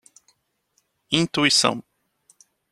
Intuição